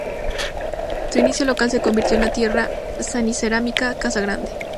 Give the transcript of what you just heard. Su único local se convirtió en la tienda Sanicerámica-Casa Grande.